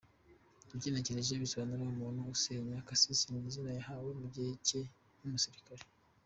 Ugenekereje bisobanura ‘umuntu usenya’, Kasisi ni izina yahawe mu gihe cye nk’umusirikare.